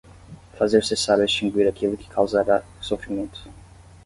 Fazer cessar ou extinguir aquilo que causara o sofrimento